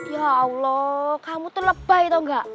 ya allah kamu tuh lebay tau nggak